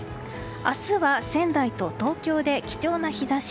明日は仙台と東京で貴重な日差し。